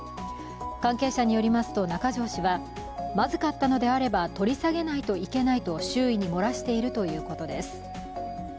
関係者によりますと中条氏はまずかったのであれば取り下げないといけないと周囲に漏らしているということです。